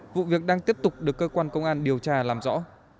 vụ việc đang tiếp tục được cơ quan công an điều tra làm rõ